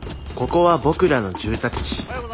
ここは僕らの住宅地。